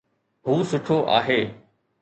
هو سٺو آهي